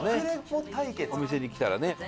お店に来たらね。